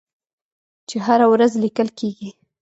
چې هره ورځ لیکل کیږي.